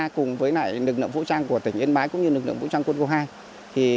cùng với lực lượng vũ trang của tỉnh yên bái cũng như lực lượng vũ trang quân khu hai